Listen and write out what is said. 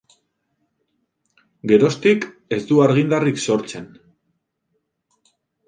Geroztik, ez du argindarrik sortzen.